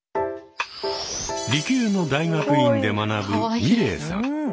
理系の大学院で学ぶみれいさん。